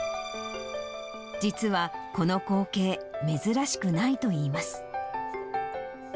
実はこの光景、珍しくないといいます。